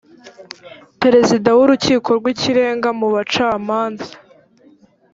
perezida w urukiko rw ikirenga mu bacamanza